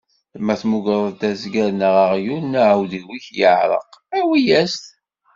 Ma temmugreḍ-d azger neɣ aɣyul n uɛdaw-ik iɛreq, awi-as-t.